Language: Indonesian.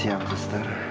selamat siang sister